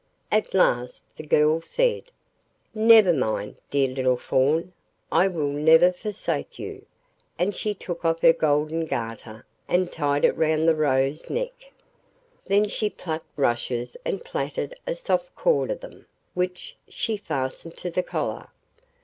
At last the girl said: 'Never mind, dear little fawn, I will never forsake you,' and she took off her golden garter and tied it round the Roe's neck. Then she plucked rushes and plaited a soft cord of them, which she fastened to the collar.